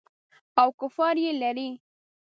او کفار یې لري.